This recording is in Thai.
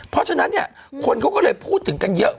เพราะฉะนั้นเนี่ยคนเขาก็เลยพูดถึงกันเยอะ